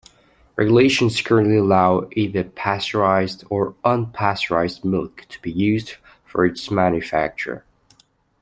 Regulations currently allow either pasteurized or unpasteurized milk to be used for its manufacture.